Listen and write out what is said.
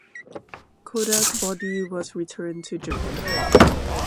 Koda's body was returned to Japan.